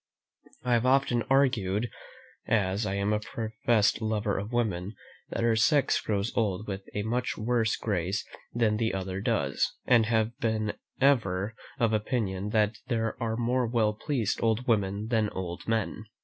I have often argued, as I am a professed lover of women, that our sex grows old with a much worse grace than the other does; and have ever been of opinion that there are more well pleased old women than old men.